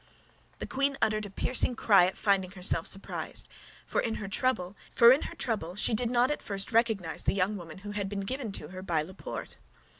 The queen uttered a piercing cry at finding herself surprised—for in her trouble she did not at first recognize the young woman who had been given to her by Laporte.